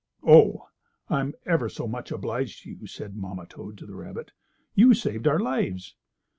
"Oh, I'm ever so much obliged to you," said the mamma toad to the rabbit. "You saved our lives."